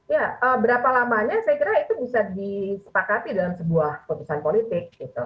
ya berapa lamanya saya kira itu bisa disepakati dalam sebuah keputusan politik